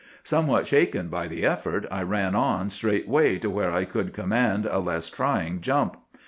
Somewhat shaken by the effort, I ran on straightway to where I could command a less trying jump.